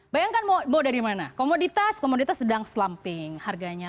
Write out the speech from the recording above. bayangkan mau dari mana komoditas komoditas sedang slumping harganya